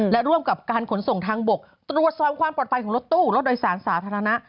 และร่วมกับตัวความความปลอดภัยของรถตู้โดยศาสตรภารณะ